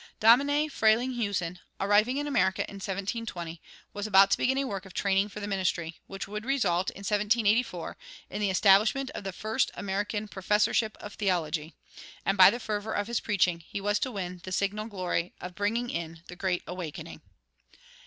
Domine Frelinghuysen, arriving in America in 1720, was to begin a work of training for the ministry, which would result, in 1784, in the establishment of the first American professorship of theology;[81:1] and by the fervor of his preaching he was to win the signal glory of bringing in the Great Awakening.